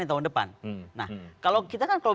tahun depan nah kalau kita kan kalau